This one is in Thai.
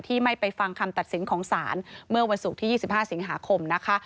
ไม่ไปฟังคำตัดสินของศาลเมื่อวันศุกร์ที่๒๕สิงหาคมนะคะ